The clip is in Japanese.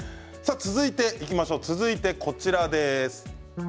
続いてこちらです。